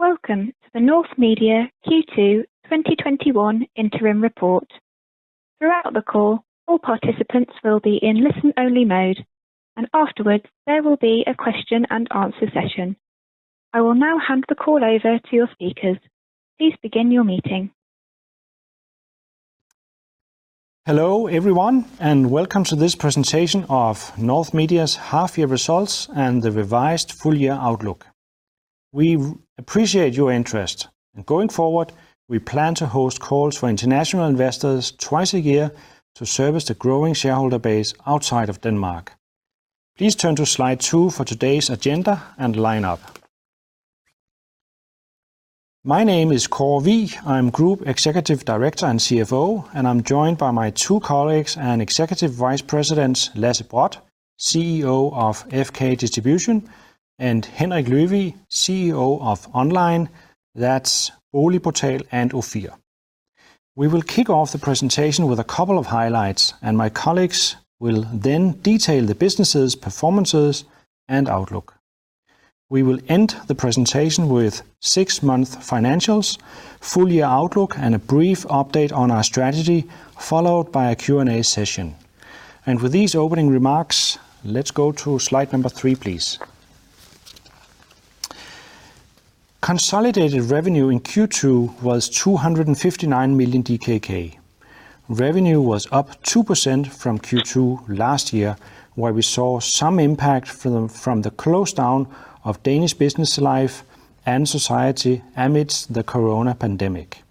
Welcome to the North Media Q2 2021 interim report. Throughout the call, all participants will be in listen-only mode, and afterwards, there will be a question and answer session. I will now hand the call over to your speakers. Hello, everyone, and welcome to this presentation of North Media's half-year results and the revised full-year outlook. We appreciate your interest. Going forward, we plan to host calls for international investors twice a year to service the growing shareholder base outside of Denmark. Please turn to slide two for today's agenda and lineup. My name is Kåre Wigh. I'm Group Executive Director and CFO, and I'm joined by my two colleagues and Executive Vice Presidents, Lasse Brodt, CEO of FK Distribution, and Henrik Løvig, CEO of Online. That's BoligPortal and Ofir. We will kick off the presentation with a couple of highlights, and my colleagues will then detail the businesses' performances and outlook. We will end the presentation with six month financials, full-year outlook, and a brief update on our strategy, followed by a Q&A session. With these opening remarks, let's go to slide number three, please. Consolidated revenue in Q2 was 259 million DKK. Revenue was up 2% from Q2 last year, where we saw some impact from the close down of Danish business life and society amidst the Corona pandemic.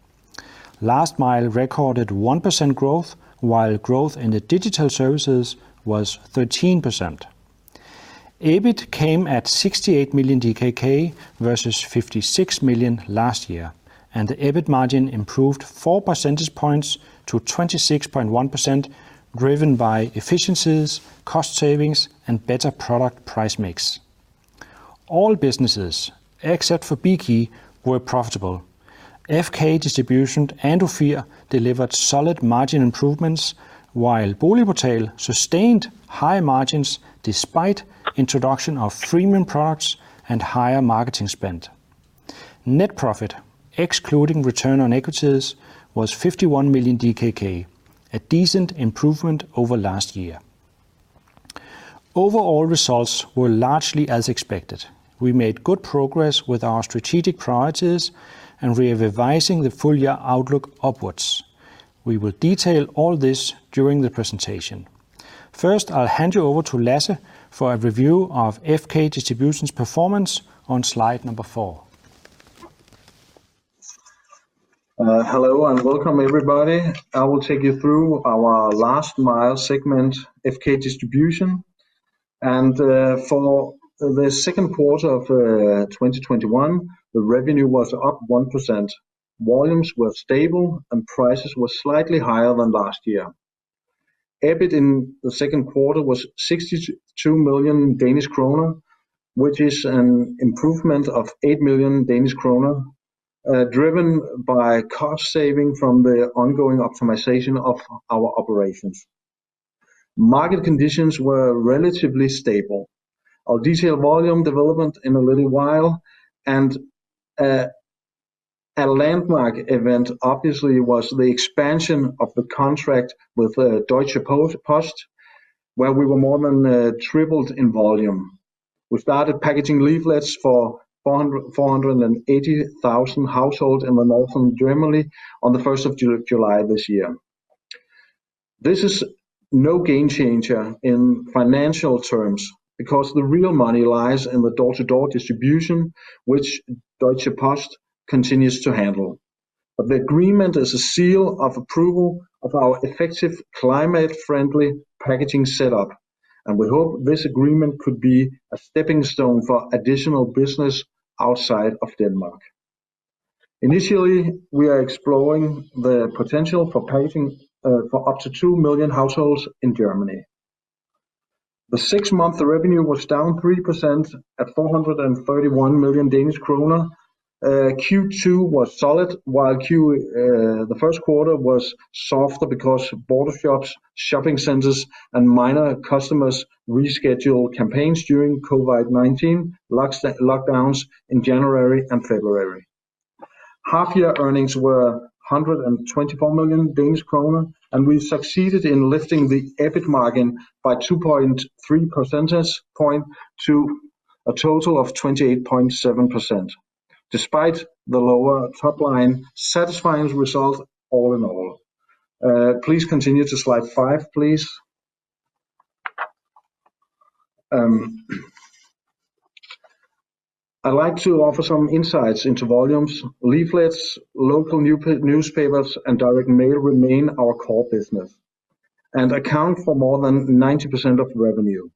Last Mile recorded 1% growth, while growth in the Digital Services was 13%. EBIT came at 68 million DKK versus 56 million last year, and the EBIT margin improved four percentage points to 26.1%, driven by efficiencies, cost savings, and better product price mix. All businesses except for Bekey were profitable. FK Distribution and Ofir delivered solid margin improvements, while BoligPortal sustained high margins despite introduction of freemium products and higher marketing spend. Net profit, excluding return on equities, was 51 million DKK, a decent improvement over last year. Overall results were largely as expected. We made good progress with our strategic priorities, and we're revising the full-year outlook upwards. We will detail all this during the presentation. First, I'll hand you over to Lasse for a review of FK Distribution's performance on slide number four. Hello and welcome, everybody. I will take you through our Last Mile segment, FK Distribution. For the second quarter of 2021, the revenue was up 1%. Volumes were stable, and prices were slightly higher than last year. EBIT in the second quarter was 62 million Danish kroner, which is an improvement of 8 million Danish kroner, driven by cost saving from the ongoing optimization of our operations. Market conditions were relatively stable. I'll detail volume development in a little while, and a landmark event, obviously, was the expansion of the contract with Deutsche Post, where we more than tripled in volume. We started packaging leaflets for 480,000 households in the northern Germany on the 1st of July this year. This is no game changer in financial terms because the real money lies in the door-to-door distribution, which Deutsche Post continues to handle. The agreement is a seal of approval of our effective climate-friendly packaging setup, and we hope this agreement could be a stepping stone for additional business outside of Denmark. Initially, we are exploring the potential for packaging for up to 2 million households in Germany. The six-month revenue was down 3% at 431 million Danish kroner. Q2 was solid, while the first quarter was softer because of border shops, shopping centers, and minor customers rescheduled campaigns during COVID-19 lockdowns in January and February. Half-year earnings were 124 million Danish kroner, and we succeeded in lifting the EBIT margin by 2.3 percentage point to a total of 28.7%. Despite the lower top line, satisfying result all in all. Please continue to slide five, please. I'd like to offer some insights into volumes. Leaflets, local newspapers, and direct mail remain our core business and account for more than 90% of revenue.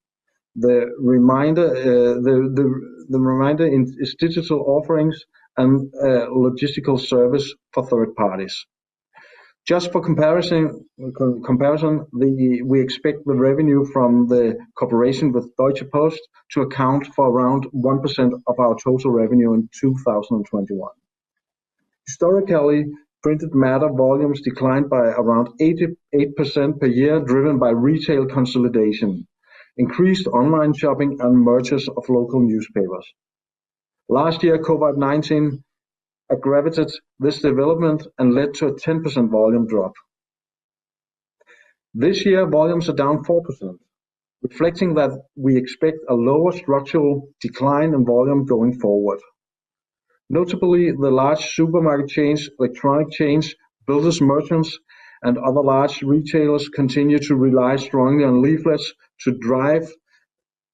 The remainder is digital offerings and logistical service for third parties. Just for comparison, we expect the revenue from the cooperation with Deutsche Post to account for around 1% of our total revenue in 2021. Historically, printed matter volumes declined by around 88% per year, driven by retail consolidation, increased online shopping, and mergers of local newspapers. Last year, COVID-19 aggravated this development and led to a 10% volume drop. This year, volumes are down 4%, reflecting that we expect a lower structural decline in volume going forward. Notably, the large supermarket chains, electronic chains, builders merchants, and other large retailers continue to rely strongly on leaflets to drive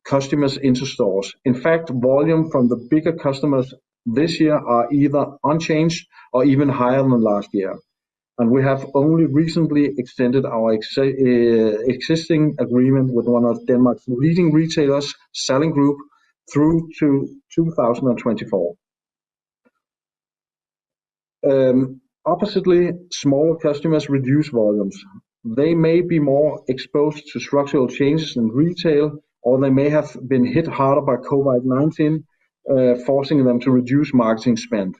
customers into stores. In fact, volume from the bigger customers this year are either unchanged or even higher than last year. We have only recently extended our existing agreement with one of Denmark's leading retailers, Salling Group, through to 2024. Oppositely, smaller customers reduce volumes. They may be more exposed to structural changes in retail, or they may have been hit harder by COVID-19, forcing them to reduce marketing spend.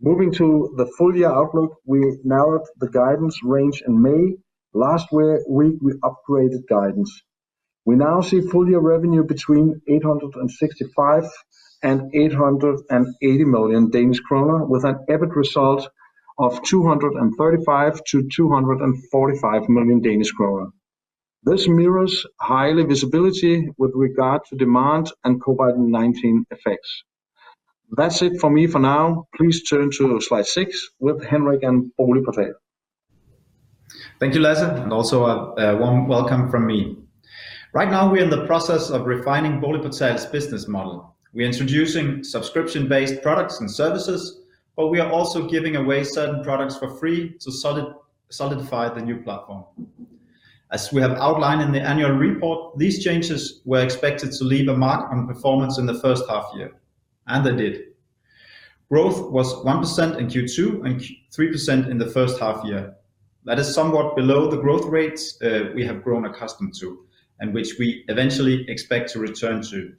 Moving to the full-year outlook, we narrowed the guidance range in May. Last week, we upgraded guidance. We now see full-year revenue between 865 million-880 million Danish kroner, with an EBIT result of 235 million-245 million Danish kroner. This mirrors high visibility with regard to demand and COVID-19 effects. That's it from me for now. Please turn to slide six with Henrik and BoligPortal. Thank you, Lasse, and also a warm welcome from me. Right now, we are in the process of refining BoligPortal's business model. We are introducing subscription-based products and services, but we are also giving away certain products for free to solidify the new platform. As we have outlined in the annual report, these changes were expected to leave a mark on performance in the first half year, and they did. Growth was 1% in Q2 and 3% in the first half year. That is somewhat below the growth rates we have grown accustomed to, and which we eventually expect to return to,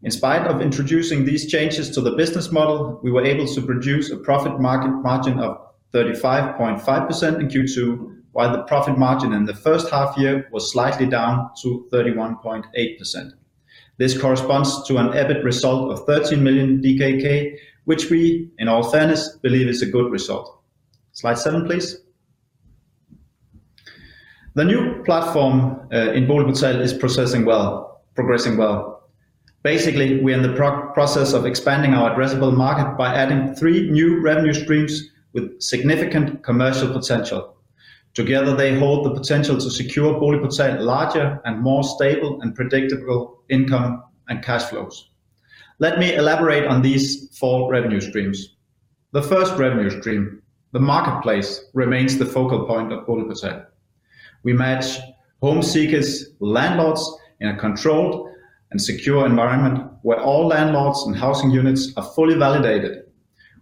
too. In spite of introducing these changes to the business model, we were able to produce a profit margin of 35.5% in Q2, while the profit margin in the first half year was slightly down to 31.8%. This corresponds to an EBIT result of 30 million DKK, which we, in all fairness, believe is a good result. Slide seven, please. The new platform in BoligPortal is progressing well. Basically, we are in the process of expanding our addressable market by adding three new revenue streams with significant commercial potential. Together, they hold the potential to secure BoligPortal larger and more stable and predictable income and cash flows. Let me elaborate on these four revenue streams. The first revenue stream, the marketplace, remains the focal point of BoligPortal. We match home seekers with landlords in a controlled and secure environment where all landlords and housing units are fully validated.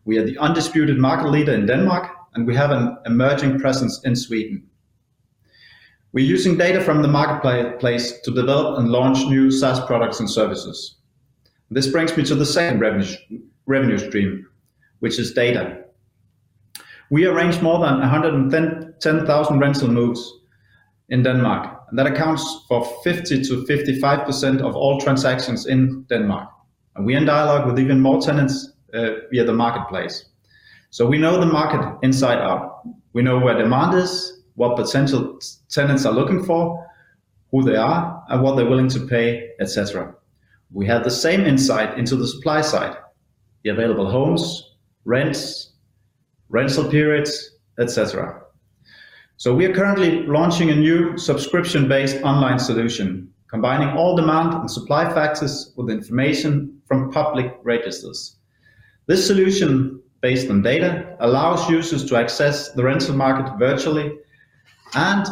We are the undisputed market leader in Denmark, and we have an emerging presence in Sweden. We're using data from the marketplace to develop and launch new SaaS products and services. This brings me to the second revenue stream, which is data. We arrange more than 110,000 rental moves in Denmark. That accounts for 50%-55% of all transactions in Denmark. We are in dialogue with even more tenants via the marketplace. We know the market inside out. We know where demand is, what potential tenants are looking for, who they are, and what they're willing to pay, et cetera. We have the same insight into the supply side, the available homes, rents, rental periods, et cetera. We are currently launching a new subscription-based online solution combining all demand and supply factors with information from public registers. This solution based on data allows users to access the rental market virtually and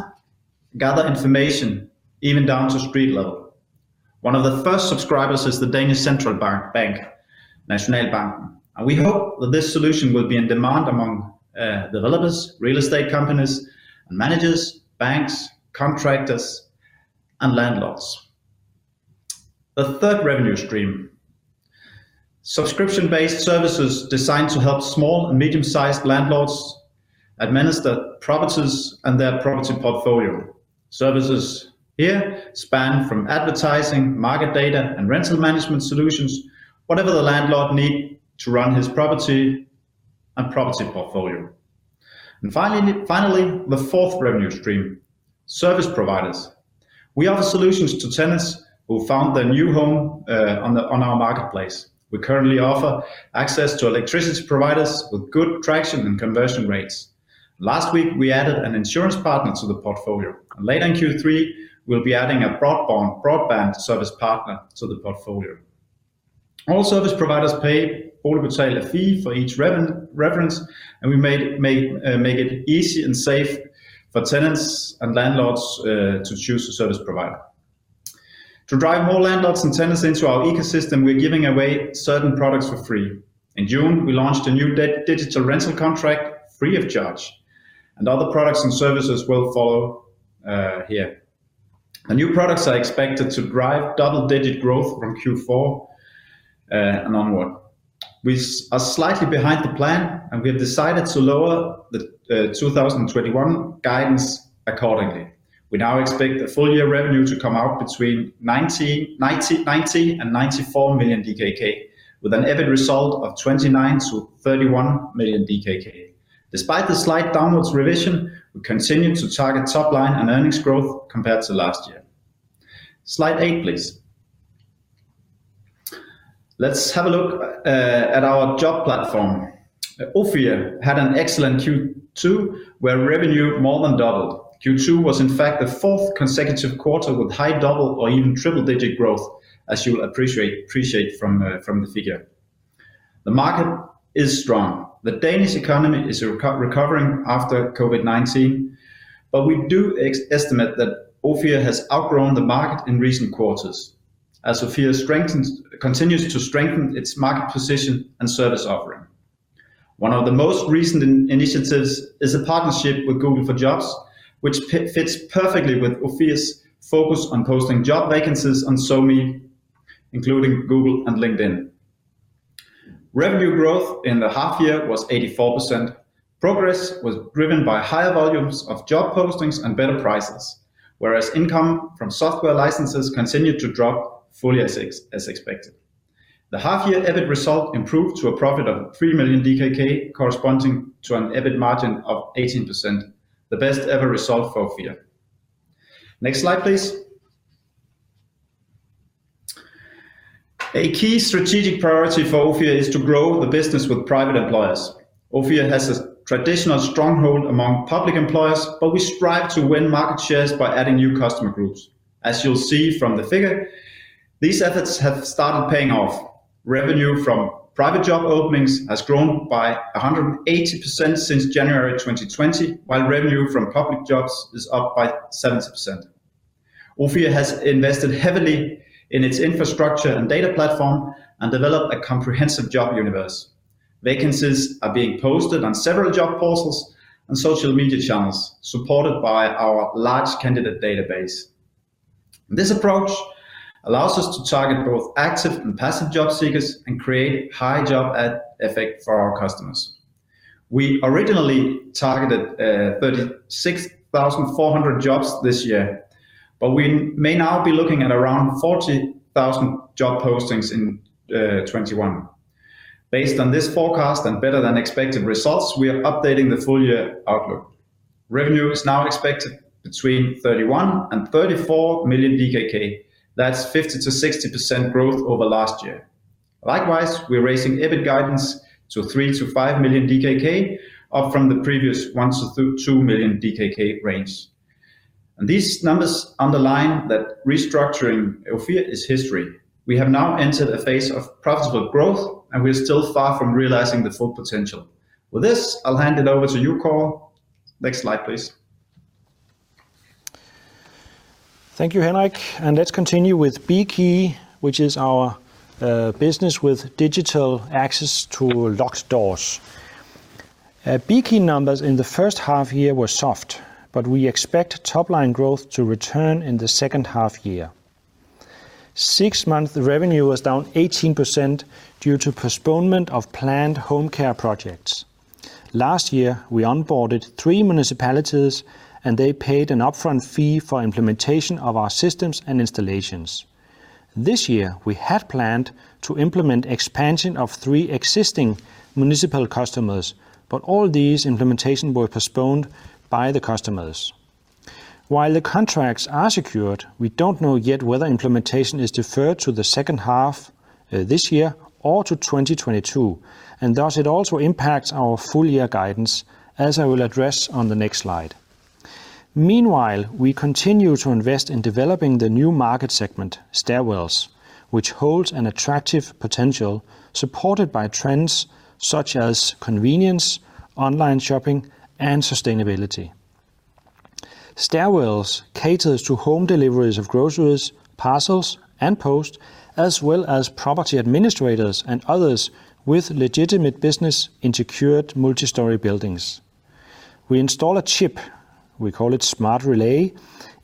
gather information even down to street level. One of the first subscribers is the Danish Central Bank, Nationalbanken. We hope that this solution will be in demand among developers, real estate companies, managers, banks, contractors, and landlords. The third revenue stream, subscription-based services designed to help small and medium-sized landlords administer properties and their property portfolio. Services here span from advertising, market data, and rental management solutions, whatever the landlord needs to run his property and property portfolio. Finally, the fourth revenue stream, service providers. We offer solutions to tenants who found their new home on our marketplace. We currently offer access to electricity providers with good traction and conversion rates. Last week, we added an insurance partner to the portfolio. Later in Q3, we'll be adding a broadband service partner to the portfolio. All service providers pay BoligPortal a fee for each reference, and we make it easy and safe for tenants and landlords to choose a service provider. To drive more landlords and tenants into our ecosystem, we are giving away certain products for free. In June, we launched a new digital rental contract free of charge, and other products and services will follow here. The new products are expected to drive double-digit growth from Q4 and onward. We are slightly behind the plan. We have decided to lower the 2021 guidance accordingly. We now expect the full-year revenue to come out between 90 million and 94 million DKK, with an EBIT result of 29 million to 31 million DKK. Despite the slight downwards revision, we continue to target top line and earnings growth compared to last year. Slide eight, please. Let's have a look at our job platform. Ofir had an excellent Q2, where revenue more than doubled. Q2 was in fact the fourth consecutive quarter with high double or even triple-digit growth, as you will appreciate from the figure. The market is strong. The Danish economy is recovering after COVID-19, We do estimate that Ofir has outgrown the market in recent quarters, as Ofir continues to strengthen its market position and service offering. One of the most recent initiatives is a partnership with Google for Jobs, which fits perfectly with Ofir's focus on posting job vacancies on SoMe, including Google and LinkedIn. Revenue growth in the half year was 84%. Progress was driven by higher volumes of job postings and better prices, whereas income from software licenses continued to drop fully as expected. The half year EBIT result improved to a profit of 3 million DKK corresponding to an EBIT margin of 18%, the best-ever result for Ofir. Next slide, please. A key strategic priority for Ofir is to grow the business with private employers. Ofir has a traditional stronghold among public employers, but we strive to win market shares by adding new customer groups. As you'll see from the figure, these efforts have started paying off. Revenue from private job openings has grown by 180% since January 2020, while revenue from public jobs is up by 70%. Ofir has invested heavily in its infrastructure and data platform and developed a comprehensive job universe. Vacancies are being posted on several job portals and social media channels, supported by our large candidate database. This approach allows us to target both active and passive job seekers and create high job ad effect for our customers. We originally targeted 36,400 jobs this year, but we may now be looking at around 40,000 job postings in 2021. Based on this forecast and better than expected results, we are updating the full-year outlook. Revenue is now expected between 31 million and 34 million. That's 50%-60% growth over last year. Likewise, we're raising EBIT guidance to 3 million-5 million DKK up from the previous 1 million-2 million DKK range. These numbers underline that restructuring Ofir is history. We have now entered a phase of profitable growth, and we are still far from realizing the full potential. With this, I'll hand it over to Kåre. Next slide, please. Thank you, Henrik. Let's continue with Bekey, which is our business with digital access to locked doors. Bekey numbers in the first half year were soft. We expect top-line growth to return in the second half year. Six-month revenue was down 18% due to postponement of planned home care projects. Last year, we onboarded three municipalities. They paid an upfront fee for implementation of our systems and installations. This year, we had planned to implement expansion of three existing municipal customers. All these implementation were postponed by the customers. While the contracts are secured, we don't know yet whether implementation is deferred to the second half this year or to 2022. Thus it also impacts our full-year guidance, as I will address on the next slide. Meanwhile, we continue to invest in developing the new market segment, stairwells, which holds an attractive potential supported by trends such as convenience, online shopping, and sustainability. Stairwells caters to home deliveries of groceries, parcels, and post, as well as property administrators and others with legitimate business in secured multi-story buildings. We install a chip, we call it Smart Relay,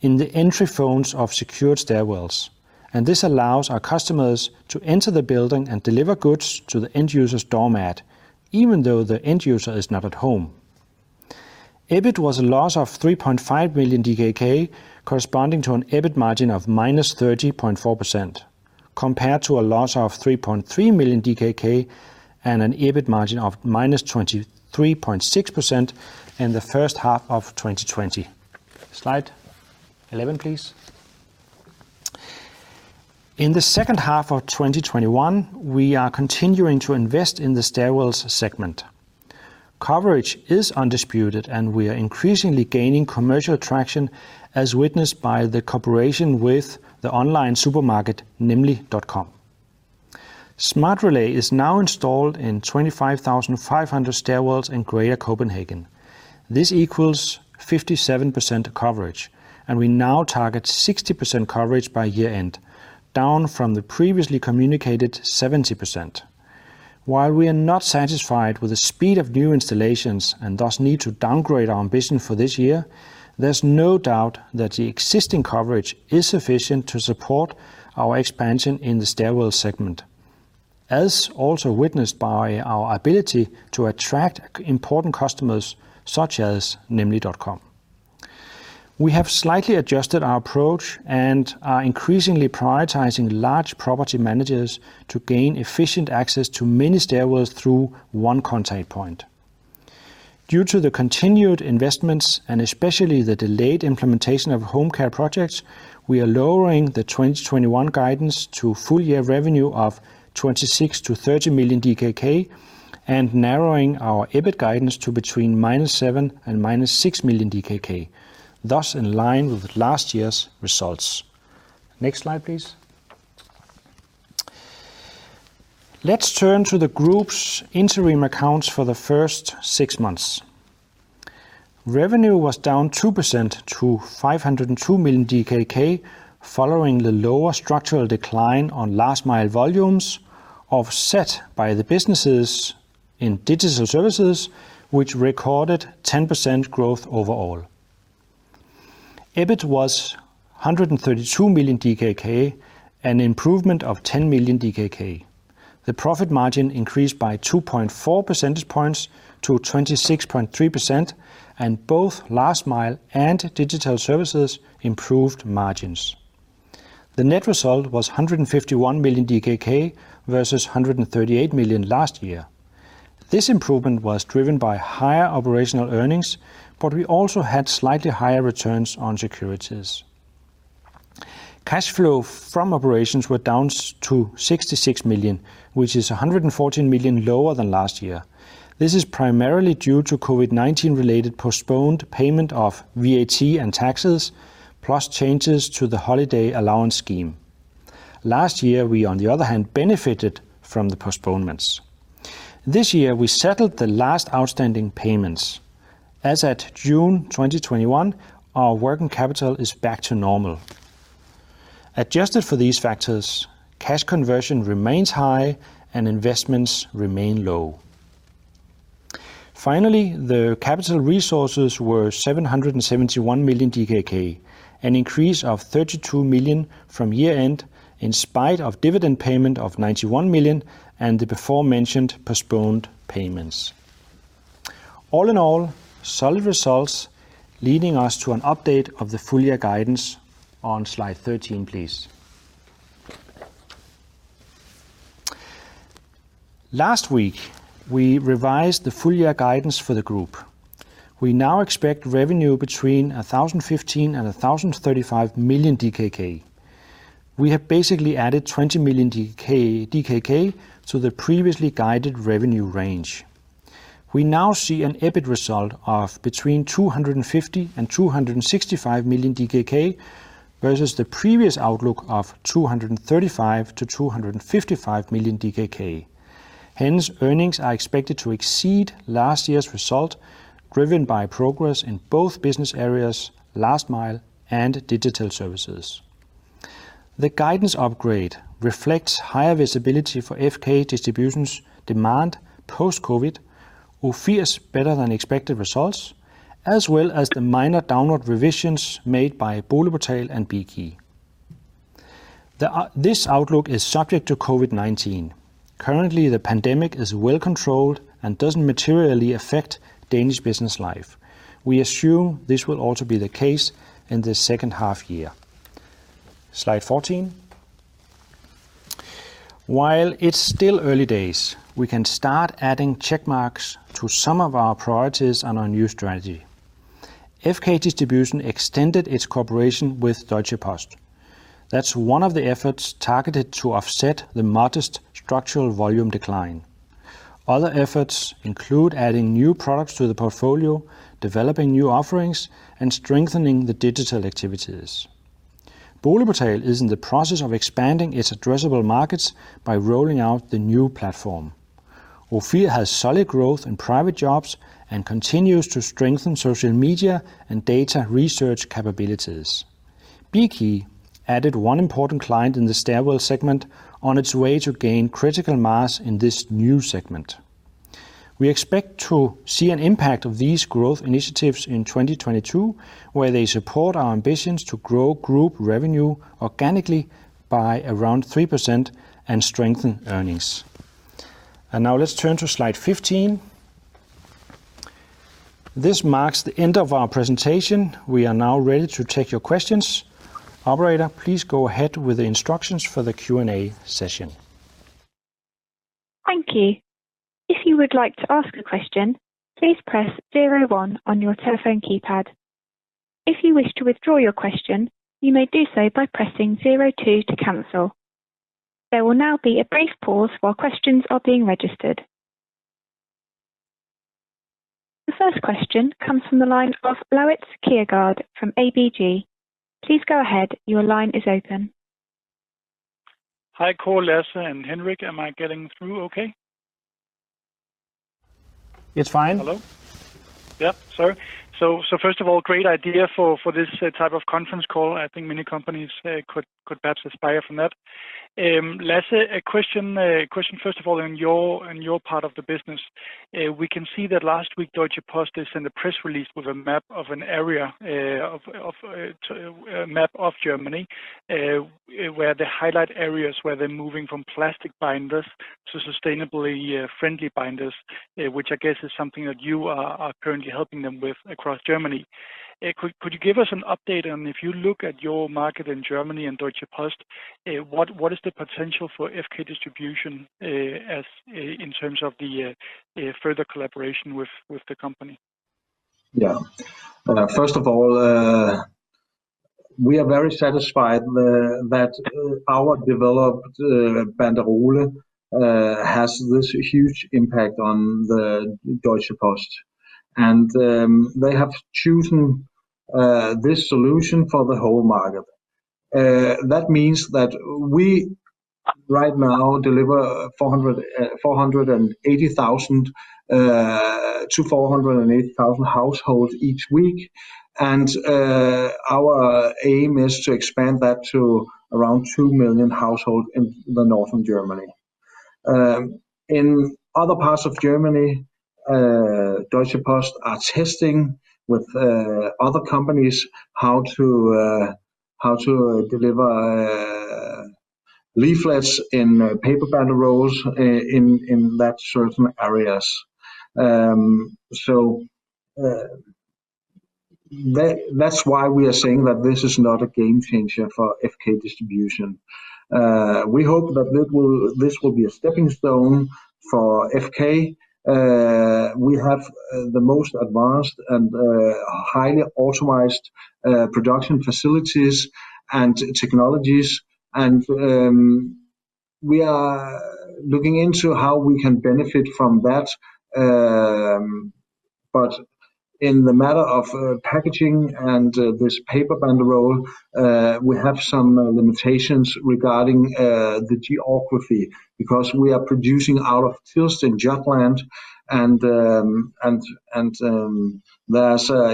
in the entry phones of secured stairwells, and this allows our customers to enter the building and deliver goods to the end user's doormat, even though the end user is not at home. EBIT was a loss of 3.5 million DKK, corresponding to an EBIT margin of -30.4%, compared to a loss of 3.3 million DKK and an EBIT margin of -23.6% in the first half of 2020. Slide 11, please. In the second half of 2021, we are continuing to invest in the stairwells segment. Coverage is undisputed, and we are increasingly gaining commercial traction as witnessed by the cooperation with the online supermarket, nemlig.com. Smart Relay is now installed in 25,500 stairwells in greater Copenhagen. This equals 57% coverage, and we now target 60% coverage by year-end, down from the previously communicated 70%. While we are not satisfied with the speed of new installations and thus need to downgrade our ambition for this year, there's no doubt that the existing coverage is sufficient to support our expansion in the stairwell segment, as also witnessed by our ability to attract important customers such as nemlig.com. We have slightly adjusted our approach and are increasingly prioritizing large property managers to gain efficient access to many stairwells through one contact point. Due to the continued investments and especially the delayed implementation of home care projects, we are lowering the 2021 guidance to full-year revenue of 26 million-30 million DKK and narrowing our EBIT guidance to between minus 7 million and minus 6 million DKK, thus in line with last year's results. Next slide, please. Let's turn to the group's interim accounts for the first six months. Revenue was down 2% to 502 million DKK, following the lower structural decline on Last Mile volumes, offset by the businesses in Digital Services, which recorded 10% growth overall. EBIT was 132 million DKK, an improvement of 10 million DKK. The profit margin increased by 2.4 percentage points to 26.3%, and both Last Mile and Digital Services improved margins. The net result was 151 million DKK versus 138 million last year. Thi s improvement was driven by higher operational earnings, but we also had slightly higher returns on securities. Cash flow from operations were down to 66 million, which is 114 million lower than last year. This is primarily due to COVID-19 related postponed payment of VAT and taxes, plus changes to the holiday allowance scheme. Last year we, on the other hand, benefited from the postponements. This year we settled the last outstanding payments. As at June 2021, our working capital is back to normal. Adjusted for these factors, cash conversion remains high and investments remain low. Finally, the capital resources were 771 million DKK, an increase of 32 million from year-end in spite of dividend payment of 91 million and the before mentioned postponed payments. All in all, solid results leading us to an update of the full-year guidance on slide 13, please. Last week, we revised the full-year guidance for the group. We now expect revenue between 1,015 million and 1,035 million DKK. We have basically added 20 million DKK to the previously guided revenue range. We now see an EBITDA result of between 250 million and 265 million DKK, versus the previous outlook of 235 million to 255 million DKK. Earnings are expected to exceed last year's result, driven by progress in both business areas, Last Mile and Digital Services. The guidance upgrade reflects higher visibility for FK Distribution's demand post-COVID, Ofir's better than expected results, as well as the minor downward revisions made by BoligPortal and Bekey. This outlook is subject to COVID-19. Currently, the pandemic is well controlled and doesn't materially affect Danish business life. We assume this will also be the case in the second half year. Slide 14. While it's still early days, we can start adding check marks to some of our priorities on our new strategy. FK Distribution extended its cooperation with Deutsche Post. That's one of the efforts targeted to offset the modest structural volume decline. Other efforts include adding new products to the portfolio, developing new offerings, and strengthening the digital activities. BoligPortal is in the process of expanding its addressable markets by rolling out the new platform. Ofir has solid growth in private jobs and continues to strengthen social media and data research capabilities. Bekey added one important client in the stairwell segment on its way to gain critical mass in this new segment. We expect to see an impact of these growth initiatives in 2022, where they support our ambitions to grow group revenue organically by around 3% and strengthen earnings. Now let's turn to slide 15. This marks the end of our presentation. We are now ready to take your questions. Operator, please go ahead with the instructions for the Q&A session. Thank you. The first question comes from the line of Laurits Kjærgaard from ABG. Hi, Kåre, Lasse, and Henrik. Am I getting through okay? It's fine. Hello? Yeah, sorry. First of all, great idea for this type of conference call. I think many companies could perhaps aspire from that. Lasse, a question first of all on your part of the business. We can see that last week, Deutsche Post just sent a press release with a map of Germany, where they highlight areas where they're moving from plastic binders to sustainably friendly binders, which I guess is something that you are currently helping them with across Germany. Could you give us an update on if you look at your market in Germany and Deutsche Post, what is the potential for FK Distribution in terms of the further collaboration with the company? First of all, we are very satisfied that our developed banderole has this huge impact on the Deutsche Post. They have chosen this solution for the whole market. That means that we right now deliver to 480,000 households each week, and our aim is to expand that to around 2 million households in northern Germany. In other parts of Germany, Deutsche Post are testing with other companies how to deliver leaflets in paper banderoles in that certain areas. That's why we are saying that this is not a game changer for FK Distribution. We hope that this will be a stepping stone for FK. We have the most advanced and highly automized production facilities and technologies, and we are looking into how we can benefit from that. In the matter of packaging and this paper banderole, we have some limitations regarding the geography because we are producing out of Tilst in Jutland, and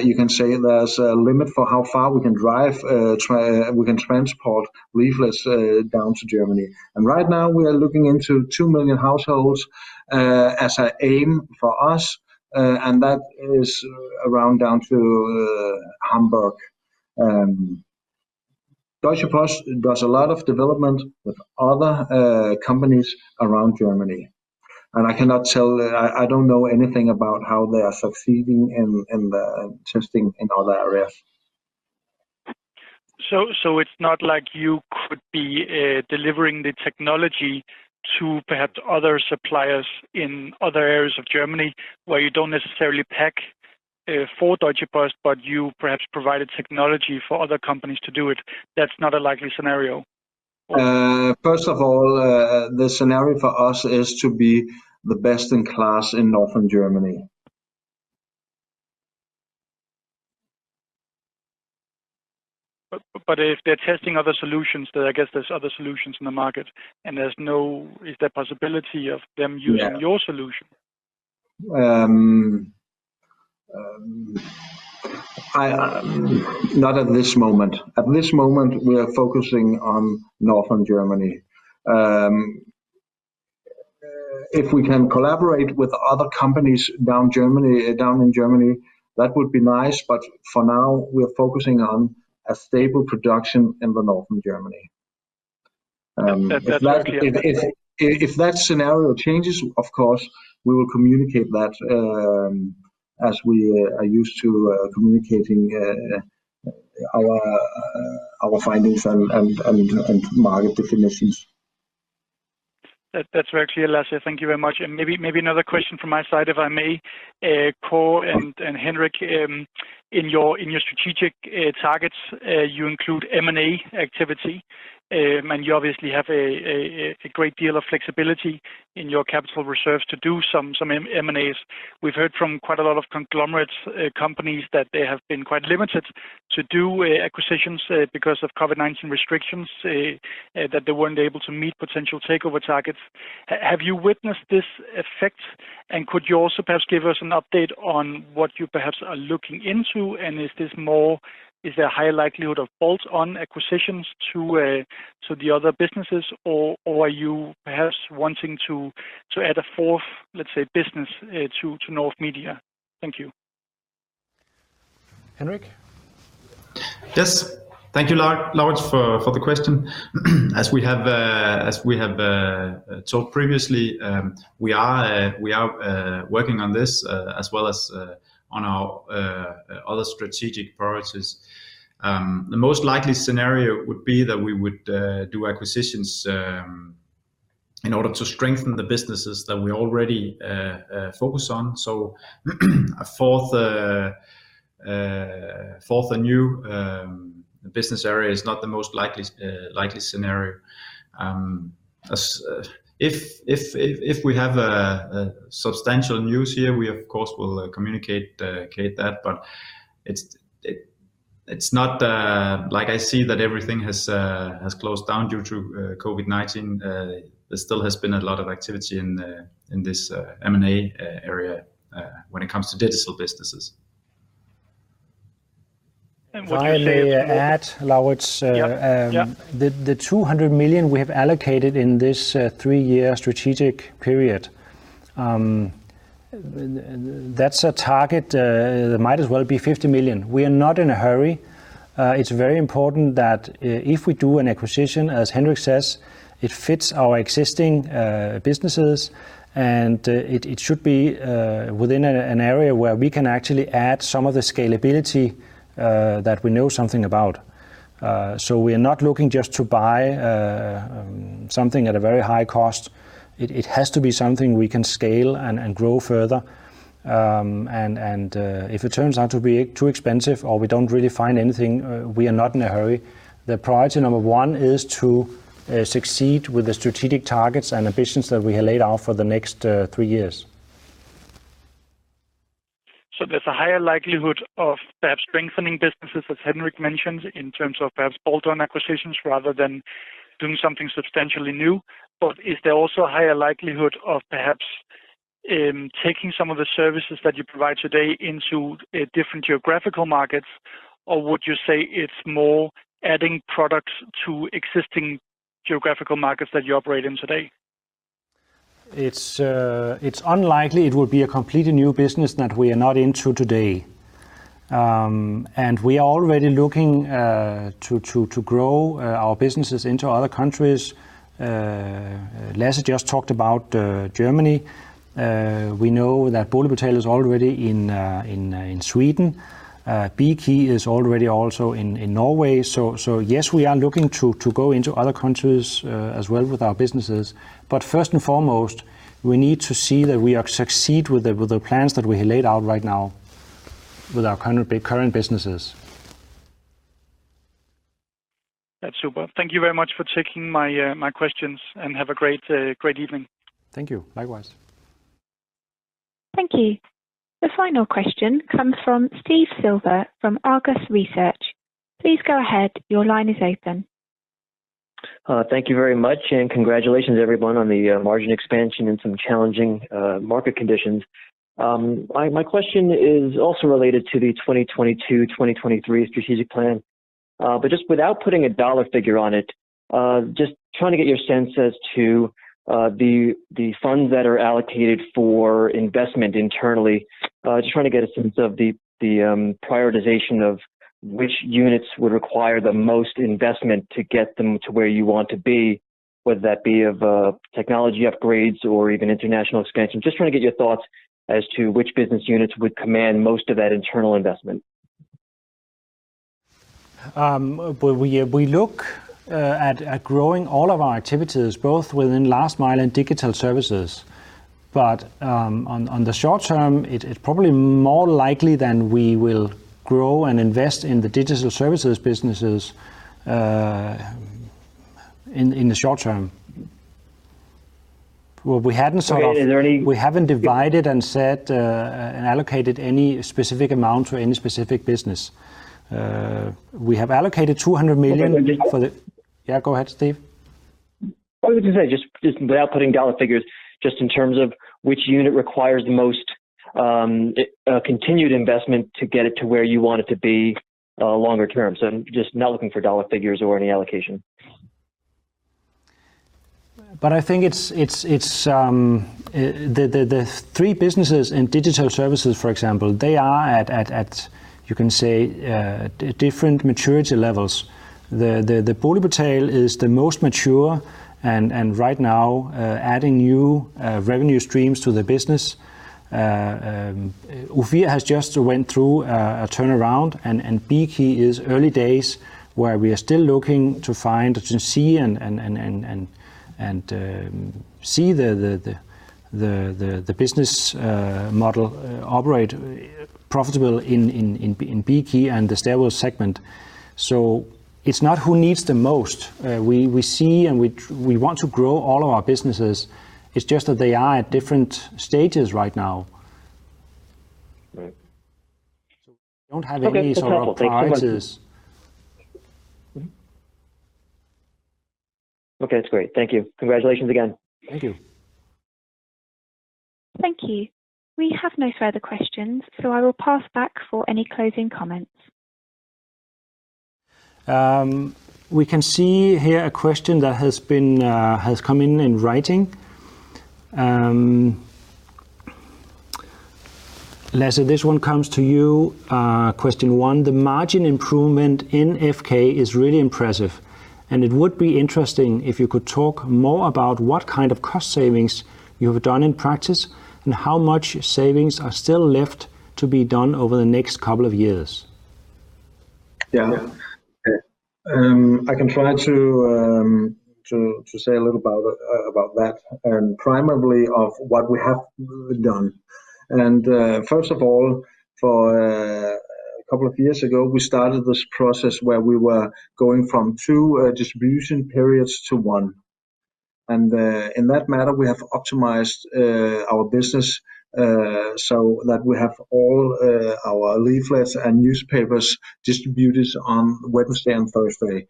you can say there's a limit for how far we can transport leaflets down to Germany. Right now we are looking into 2 million households as an aim for us, and that is around down to Hamburg. Deutsche Post does a lot of development with other companies around Germany, I don't know anything about how they are succeeding in the testing in other areas. It's not like you could be delivering the technology to perhaps other suppliers in other areas of Germany where you don't necessarily pack for Deutsche Post, but you perhaps provided technology for other companies to do it. That's not a likely scenario? First of all, the scenario for us is to be the best in class in Northern Germany. If they're testing other solutions, then I guess there's other solutions in the market, and Is there possibility of them using your solution? Not at this moment. At this moment, we are focusing on Northern Germany. If we can collaborate with other companies down in Germany, that would be nice, but for now, we are focusing on a stable production in Northern Germany. That's clear. If that scenario changes, of course, we will communicate that as we are used to communicating our findings and market definitions. That's very clear, Lasse. Thank you very much. Maybe another question from my side, if I may. Kåre and Henrik, in your strategic targets, you include M&A activity, and you obviously have a great deal of flexibility in your capital reserves to do some M&As. We've heard from quite a lot of conglomerate companies that they have been quite limited to do acquisitions because of COVID-19 restrictions, that they weren't able to meet potential takeover targets. Have you witnessed this effect, and could you also perhaps give us an update on what you perhaps are looking into? Is there a higher likelihood of bolt-on acquisitions to the other businesses, or are you perhaps wanting to add a fourth, let's say, business to North Media? Thank you. Henrik? Yes. Thank you, Laurits, for the question. As we have talked previously, we are working on this as well as on our other strategic priorities. The most likely scenario would be that we would do acquisitions in order to strengthen the businesses that we already focus on. A fourth and new business area is not the most likely scenario. If we have substantial news here, we of course will communicate that. It's not like I see that everything has closed down due to COVID-19. There still has been a lot of activity in this M&A area when it comes to digital businesses. What do you say? If I may add, Laurits. Yeah the 200 million we have allocated in this three year strategic period, that's a target that might as well be 50 million. We are not in a hurry. It's very important that if we do an acquisition, as Henrik says, it fits our existing businesses, and it should be within an area where we can actually add some of the scalability that we know something about. We are not looking just to buy something at a very high cost. It has to be something we can scale and grow further. If it turns out to be too expensive or we don't really find anything, we are not in a hurry. The priority number one is to succeed with the strategic targets and ambitions that we have laid out for the next three years. There's a higher likelihood of perhaps strengthening businesses, as Henrik mentioned, in terms of perhaps bolt-on acquisitions rather than doing something substantially new. Is there also a higher likelihood of perhaps taking some of the services that you provide today into different geographical markets? Would you say it's more adding products to existing geographical markets that you operate in today? It's unlikely it will be a completely new business that we are not into today. We are already looking to grow our businesses into other countries. Lasse just talked about Germany. We know that BoligPortal is already in Sweden. Bekey is already also in Norway. Yes, we are looking to go into other countries as well with our businesses. First and foremost, we need to see that we succeed with the plans that we laid out right now with our current businesses. That's super. Thank you very much for taking my questions, and have a great evening. Thank you. Likewise. Thank you. The final question comes from Steve Silver from Argus Research. Please go ahead. Your line is open. Thank you very much, and congratulations, everyone, on the margin expansion in some challenging market conditions. My question is also related to the 2022-2023 strategic plan. Just without putting a dollar figure on it, just trying to get your sense as to the funds that are allocated for investment internally. Just trying to get a sense of the prioritization of which units would require the most investment to get them to where you want to be, whether that be of technology upgrades or even international expansion. Just trying to get your thoughts as to which business units would command most of that internal investment. We look at growing all of our activities, both within Last Mile and Digital Services. On the short term, it's probably more likely than we will grow and invest in the Digital Services businesses in the short-term. Sorry, is there any-? We haven't divided and set and allocated any specific amount for any specific business. We have allocated 200 million- Okay. Yeah, go ahead, Steve. I was going to say, just without putting dollar figures, just in terms of which unit requires the most continued investment to get it to where you want to be longer-term. Just not looking for dollar figures or any allocation. I think the three businesses in Digital Services, for example, they are at, you can say, different maturity levels. The BoligPortal is the most mature and right now adding new revenue streams to the business. Ofir has just went through a turnaround, and Bekey is early days, where we are still looking to find, to see and see the business model operate profitable in Bekey and the stairwell segment. It's not who needs the most. We see and we want to grow all of our businesses. It's just that they are at different stages right now. Right. We don't have any sort of priorities. Okay. No problem. Thank you very much. Okay. That's great. Thank you. Congratulations again. Thank you. Thank you. We have no further questions, so I will pass back for any closing comments. We can see here a question that has come in in writing. Lasse, this one comes to you. Question one, the margin improvement in FK is really impressive, and it would be interesting if you could talk more about what kind of cost savings you have done in practice, and how much savings are still left to be done over the next couple of years. Yeah. I can try to say a little about that, and primarily of what we have done. First of all, for a couple of years ago, we started this process where we were going from two distribution periods to one. In that matter, we have optimized our business so that we have all our leaflets and newspapers distributed on Wednesday and Thursday.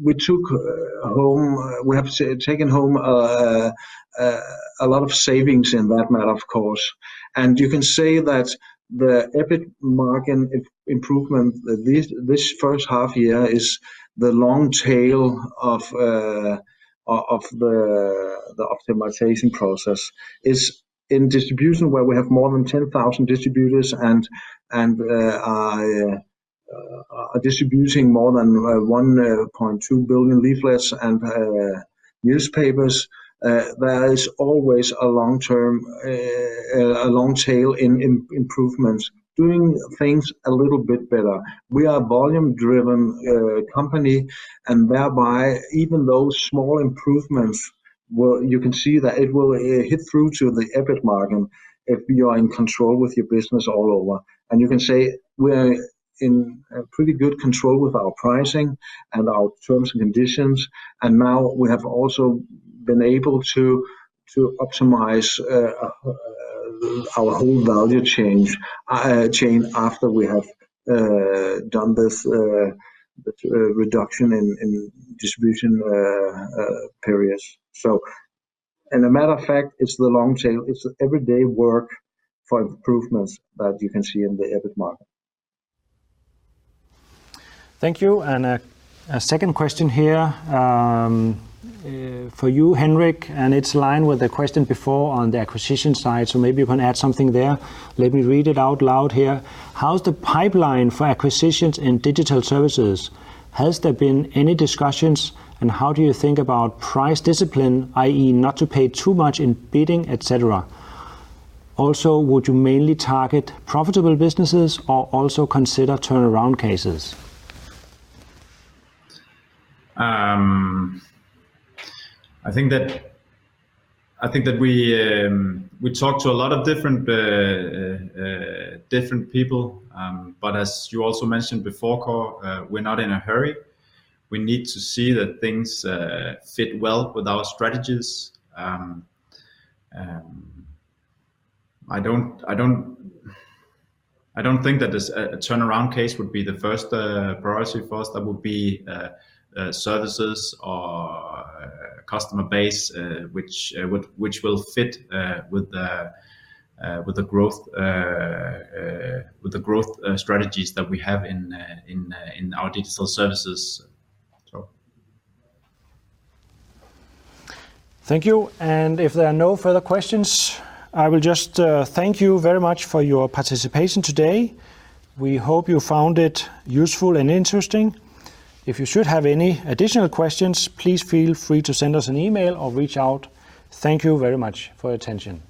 We have taken home a lot of savings in that matter, of course. You can say that the EBIT margin improvement, this first half year is the long tail of the optimization process is in distribution where we have more than 10,000 distributors and are distributing more than 1.2 billion leaflets and newspapers. There is always a long tail in improvements, doing things a little bit better. We are a volume-driven company, thereby, even those small improvements, you can see that it will hit through to the EBIT margin if you are in control with your business all over. You can say we're in pretty good control with our pricing and our terms and conditions. Now we have also been able to optimize our whole value chain after we have done this reduction in distribution periods. In a matter of fact, it's the long tail. It's everyday work for improvements that you can see in the EBIT margin. Thank you. A second question here for you, Henrik, and it's line with the question before on the acquisition side, so maybe you can add something there. Let me read it out loud here. How's the pipeline for acquisitions in Digital Services? Has there been any discussions, and how do you think about price discipline, i.e., not to pay too much in bidding, et cetera? Also, would you mainly target profitable businesses or also consider turnaround cases? I think that we talk to a lot of different people. As you also mentioned before, Kåre, we're not in a hurry. We need to see that things fit well with our strategies. I don't think that this turnaround case would be the first priority for us. That would be services or customer base which will fit with the growth strategies that we have in our Digital Services. Thank you. If there are no further questions, I will just thank you very much for your participation today. We hope you found it useful and interesting. If you should have any additional questions, please feel free to send us an email or reach out. Thank you very much for your attention.